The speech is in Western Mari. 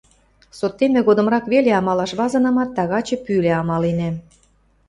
Сотеммы годымрак веле амалаш вазынамат, тагачы пӱлӓ амаленӓм.